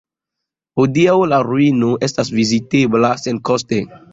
Hodiaŭ la ruino estas vizitebla senkoste.